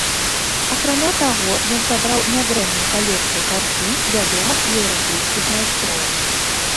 Акрамя таго ён сабраў нядрэнную калекцыю карцін вядомых еўрапейскіх майстроў.